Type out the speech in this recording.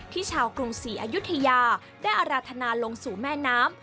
ชาวกรุงศรีอายุทยาได้อาราธนาลงสู่แม่น้ำ